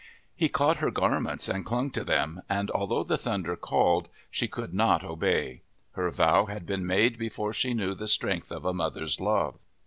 He caught her garments and clung to them, and although the Thunder called, she could not obey ; her vow had been made before she knew the strength of a mother's love.